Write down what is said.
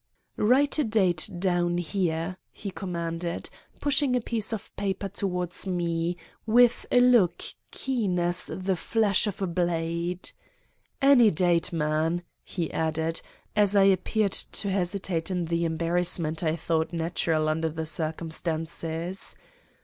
"'Write a date down here,' he commanded, pushing a piece of paper towards me, with a look keen as the flash of a blade. 'Any date, man,' he added, as I appeared to hesitate in the embarrassment I thought natural under the circumstances.